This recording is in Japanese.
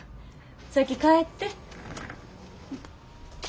先帰って。